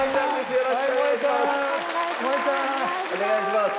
よろしくお願いします。